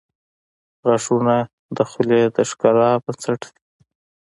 • غاښونه د خولې د ښکلا بنسټ دي.